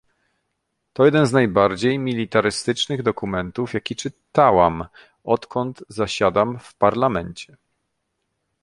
To jeden z najbardziej militarystycznych dokumentów, jaki czytałam, odkąd zasiadam w Parlamencie